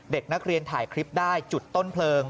เด็กนักเรียนถ่ายคลิปได้จุดต้นเพลิง